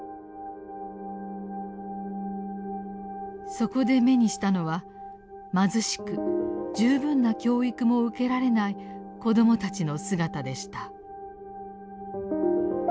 そこで目にしたのは貧しく十分な教育も受けられない子どもたちの姿でした。